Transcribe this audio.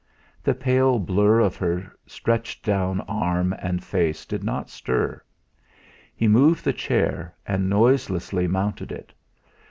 The pale blur of her stretched down arm and face did not stir; he moved the chair, and noiselessly mounted it.